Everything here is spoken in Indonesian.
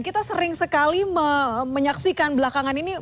kita sering sekali menyaksikan belakangan ini